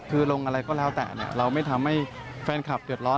คือลงอะไรก็แล้วแต่เราไม่ทำให้แฟนคลับเดือดร้อน